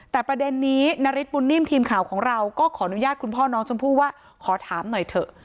แต่ประเด็นนี้นาริสบุญนิ่มทีมข่าวของเราก็ขออนุญาตคุณพ่อน้องชมพู่ว่าขอถามหน่อยเถอะ